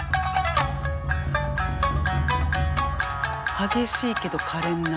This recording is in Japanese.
激しいけどかれんな。